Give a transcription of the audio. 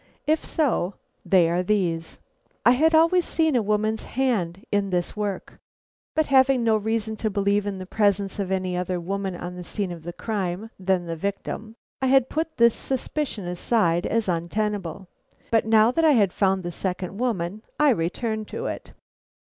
If so, they are these: I had always seen a woman's hand in this work, but having no reason to believe in the presence of any other woman on the scene of crime than the victim, I had put this suspicion aside as untenable. But now that I had found the second woman, I returned to it.